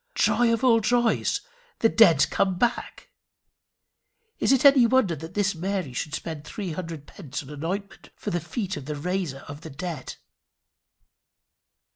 Joy of all joys! The dead come back! Is it any wonder that this Mary should spend three hundred pence on an ointment for the feet of the Raiser of the Dead?